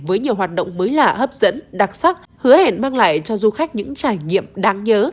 với nhiều hoạt động mới lạ hấp dẫn đặc sắc hứa hẹn mang lại cho du khách những trải nghiệm đáng nhớ